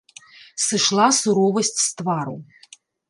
Сышла суровасць з твару.